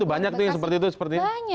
itu banyak tuh yang seperti itu